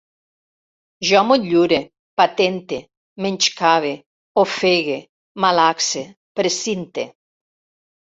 Jo motlure, patente, menyscabe, ofegue, malaxe, precinte